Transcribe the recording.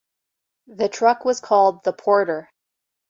The truck was called the Porter.